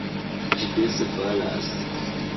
Ĝi dense falas!